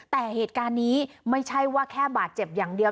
แต่เหตุการณ์นี้ไม่ใช่ว่าแค่บาดเจ็บอย่างเดียว